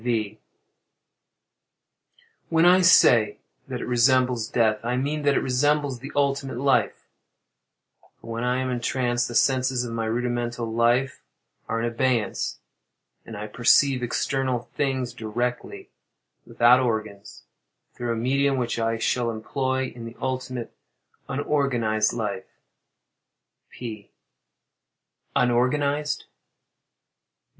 V. When I say that it resembles death, I mean that it resembles the ultimate life; for when I am entranced the senses of my rudimental life are in abeyance, and I perceive external things directly, without organs, through a medium which I shall employ in the ultimate, unorganized life. P. Unorganized?